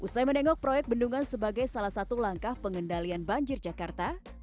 usai menengok proyek bendungan sebagai salah satu langkah pengendalian banjir jakarta